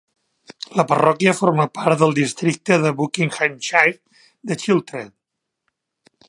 La parròquia forma part del districte de Buckinghamshire de Chiltern.